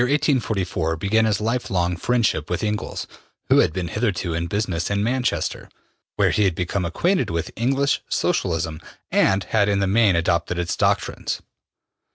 Here in the year 1844 began his lifelong friendship with Engels, who had been hitherto in business in Manchester, where he had become acquainted with English Socialism and had in the main adopted its doctrines.